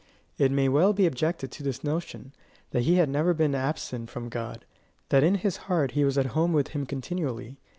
It may well be objected to this notion, that he had never been absent from God that in his heart he was at home with him continually.